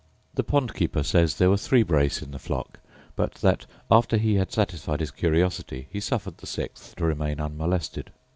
The pond keeper says there were three brace in the flock; but that, after he had satisfied his curiosity, he suffered the sixth to remain unmolested.